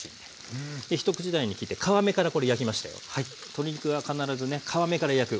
鶏肉は必ずね皮目から焼く。